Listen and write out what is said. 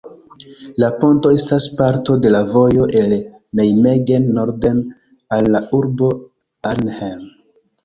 La ponto estas parto de la vojo el Nijmegen norden, al la urbo Arnhem.